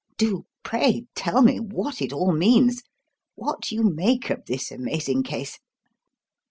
Do, pray, tell me what it all means what you make of this amazing case."